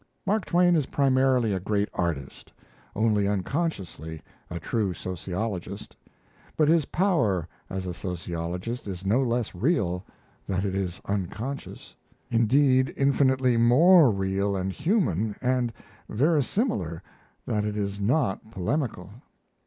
Mark Twain is primarily a great artist, only unconsciously a true sociologist. But his power as a sociologist is no less real that it is unconscious, indeed infinitely more real and human and verisimilar that it is not polemical.